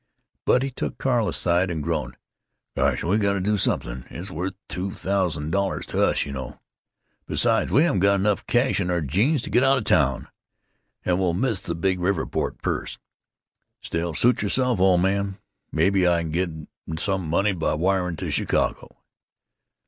But he took Carl aside, and groaned: "Gosh! we got to do something! It's worth two thousand dollars to us, you know. Besides, we haven't got enough cash in our jeans to get out of town, and we'll miss the big Riverport purse.... Still, suit yourself, old man. Maybe I can get some money by wiring to Chicago."